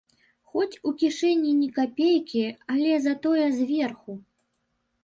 Хоць у кішэні ні капейкі, але затое зверху!